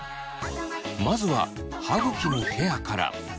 まずは歯ぐきのケアから。